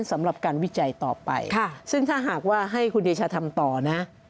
สำหรับการวิจัยต่อไปซึ่งถ้าหากว่าให้คุณเดชาทำต่อนะ